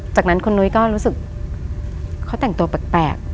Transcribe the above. จากนั้นคุณนุ้ยก็รู้สึกเขาแต่งตัวแปลก